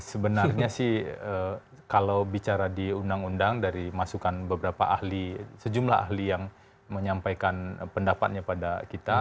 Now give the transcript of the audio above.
sebenarnya sih kalau bicara di undang undang dari masukan beberapa ahli sejumlah ahli yang menyampaikan pendapatnya pada kita